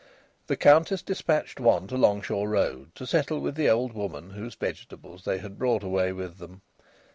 The Countess despatched one to Longshaw Road to settle with the old woman whose vegetables they had brought away with them.